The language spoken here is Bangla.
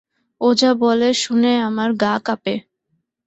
ও যা বলে শুনে আমার গা কাঁপে।